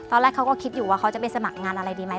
ตอนแรกเขาก็คิดอยู่ว่าเขาจะไปสมัครงานอะไรดีไหม